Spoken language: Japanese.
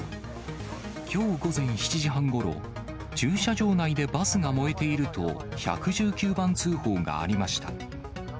きょう午前７時半ごろ、駐車場内でバスが燃えていると、１１９番通報がありました。